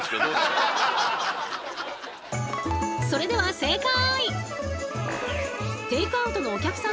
それでは正解！